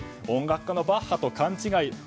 音楽家のバッハと勘違い。